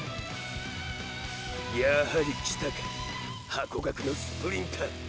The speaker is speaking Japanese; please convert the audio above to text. やはり来たかハコガクのスプリンター。